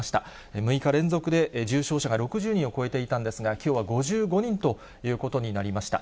６日連続で重症者が６０人を超えていたんですが、きょうは５５人ということになりました。